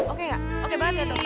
oke ya oke banget gak tuh